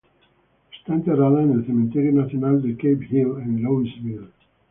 Está enterrada en el cementerio nacional de Cave Hill en Louisville.